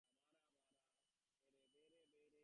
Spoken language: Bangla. প্রতিটা দিনে দুর্ভাগ্যের মুখোমুখি হওয়ার কথা ভাবতে পারো?